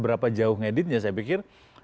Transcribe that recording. berapa jauh ngeditnya saya pikir